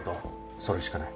それしかない。